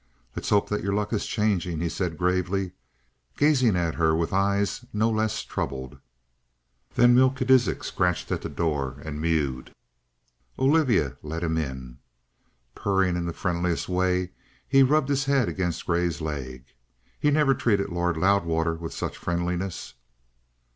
"Let's hope that your luck is changing," he said gravely, gazing at her with eyes no less troubled. Then Melchisidec scratched at the door and mewed. Olivia let him in. Purring in the friendliest way, he rubbed his head against Grey's leg. He never treated Lord Loudwater with such friendliness.